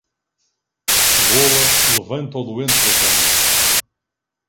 Cebola levanta o doente da cama.